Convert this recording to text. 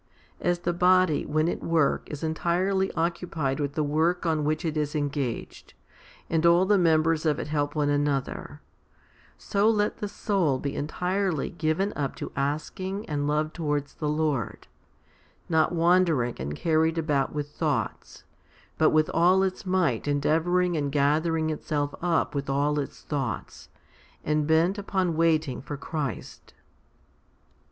As the body, when at work, is entirely occupied with the work on which it is engaged, and all the members of it help one another, so let the soul be entirely given up to asking and love towards the Lord, not wander ing and carried about with thoughts, but with all its might endeavouring and gathering itself up with all its thoughts, and bent upon waiting for Christ.